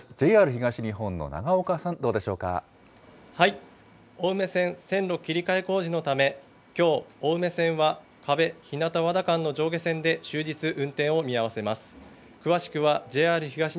ＪＲ東日本の長岡さん、どうでし青梅線、線路切換工事のため、きょう、青梅線はかべ・日向和田間の全線で、終日運転を見合わせます。